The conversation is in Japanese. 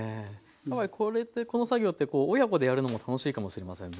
この作業って親子でやるのも楽しいかもしれませんね。